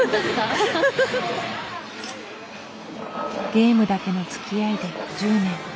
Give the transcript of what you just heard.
ゲームだけのつきあいで１０年。